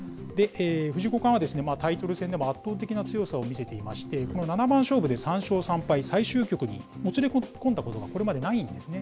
藤井五冠は、タイトル戦でも圧倒的な強さを見せていまして、この七番勝負で３勝３敗、最終局にもつれ込んだことがこれまでないんですね。